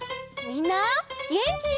みんなげんき？